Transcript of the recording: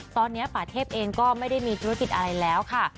ตอนนี้ป่าเทพเองก็ไม่ได้มีธุรกิจอะไรแล้วค่ะ